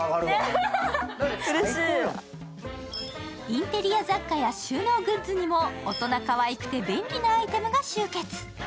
インテリア雑貨や収納グッズにも大人かわいくて便利なアイテムが集結。